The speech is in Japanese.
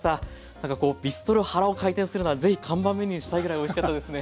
なんかこう「ビストロ原」を開店するならぜひ看板メニューにしたいぐらいおいしかったですね。